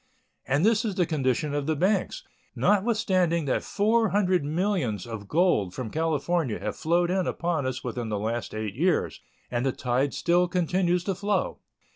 And this is the condition of the banks, notwithstanding that four hundred millions of gold from California have flowed in upon us within the last eight years, and the tide still continues to flow.